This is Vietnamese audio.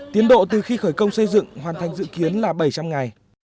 tiến độ từ khi khởi công xây dựng hoàn thành dự kiến là bảy trăm linh ngày